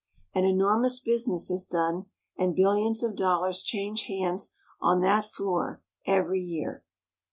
An enormous business is done, and biUions of dollars change hands on that floor every year.